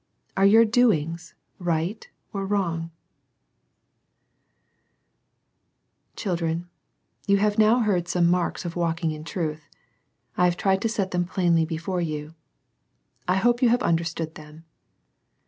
Are your doings right or wrong f Children, you have now heard some marks of walking in truth. I have tried to set them plainly before you. I hope you have under stood them.